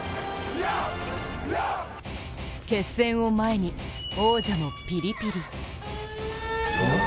決戦を前に、王者もピリピリ。